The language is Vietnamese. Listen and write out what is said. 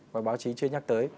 và báo chí chưa nhắc tới